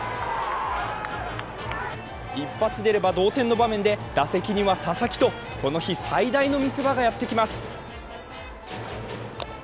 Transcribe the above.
一発出れば同点の場面で打席には佐々木とこの日、最大の見せ場がやってきます。